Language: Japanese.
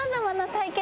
対決？